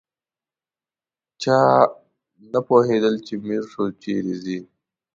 چا نه پوهېدل چې میرشو چیرې ځي.